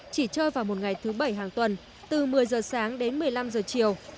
chỉ chơi vào một ngày thứ bảy hàng tuần từ một mươi giờ sáng đến một mươi năm giờ chiều